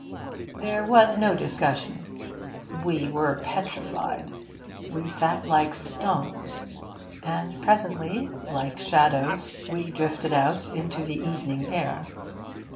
There was no discussion. We were petrified. We sat like stones; and presently, like shadows, we drifted out into the evening air.